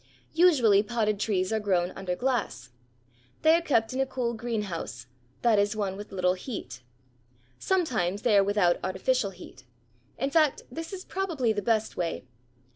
Usually potted trees are grown under glass. They are kept in a cool greenhouse, that is one with little heat. Sometimes they are without artificial heat. In fact this is probably the best way.